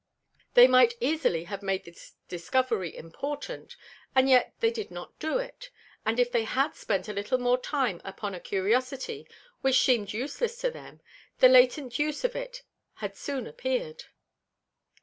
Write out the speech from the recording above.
They might easily have made this Discovery important, and yet they did not do it; and if they had spent a little more time upon a Curiosity which seem'd useless to them, the Latent use of it had soon appear'd.